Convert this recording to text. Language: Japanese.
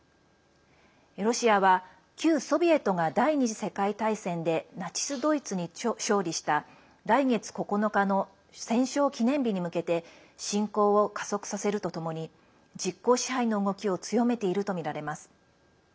ロシアは旧ソビエトが第２次世界大戦でナチス・ドイツに勝利した来月９日の戦勝記念日に向けて侵攻を加速させるとともに実効支配の動きを強めているとみられます。